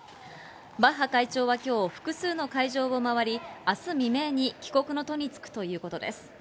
バッハ会長は今日複数の会場を回り、明日未明に帰国の途につくということです。